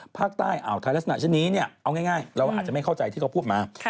ภาคใต้อ่ะลักษณะแบบนี้เอาง่ายเราอาจไม่เข้าใจที่พูดมา